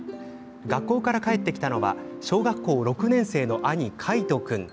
学校から帰ってきたのは小学校６年生の兄、海斗君。